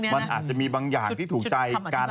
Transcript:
มันอาจจะมีบางอย่างที่ถูกใจกัน